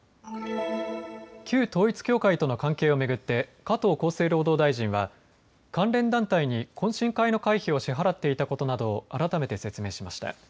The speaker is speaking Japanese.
旧統一教会との関係を巡って加藤厚生労働大臣は関連団体に懇親会の会費を支払っていたことなどを改めて説明しました。